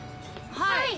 はい。